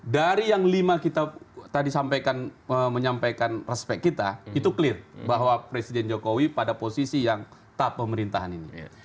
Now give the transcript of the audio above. dari yang lima kita tadi sampaikan menyampaikan respek kita itu clear bahwa presiden jokowi pada posisi yang tap pemerintahan ini